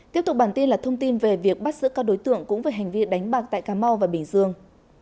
tiếp tục bản tin là thông tin về việc bắt giữ các đối tượng cũng về hành vi đánh bạc tại cà mau và bình dương